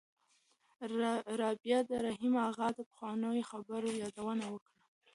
رابعې د رحیم اغا د پخوانیو خبرو یادونه وکړه.